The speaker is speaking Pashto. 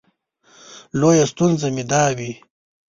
لویه ستونزه مې دا وي.